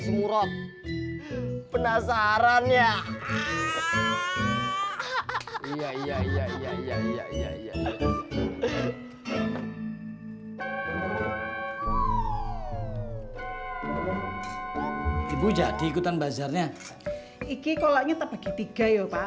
sampai jumpa di video selanjutnya